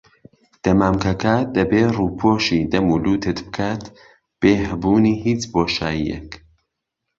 دەمامکەکە دەبێت ڕووپۆشی دەم و لوتت بکات بێ هەبوونی هیچ بۆشاییەک.